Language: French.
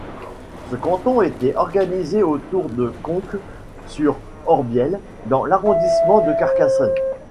Ce canton était organisé autour de Conques-sur-Orbiel dans l'arrondissement de Carcassonne.